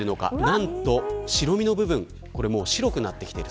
なんと、白身の部分白くなってきている。